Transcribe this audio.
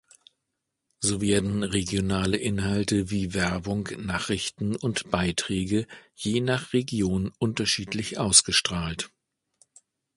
So werden regionale Inhalte wie Werbung, Nachrichten und Beiträge je nach Region unterschiedlich ausgestrahlt.